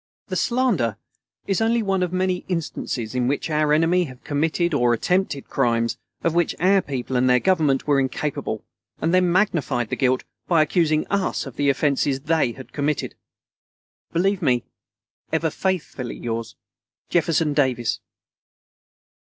The slander is only one of many instances in which our enemy have committed or attempted crimes of which our people and their Government were incapable, and then magnified the guilt by accusing us of the offences they had committed.... Believe me, ever faithfully yours, JEFFERSON DAVIS.